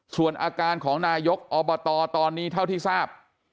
ส่วนอาการของนายกอบตตอนนี้เท่าที่ทราบ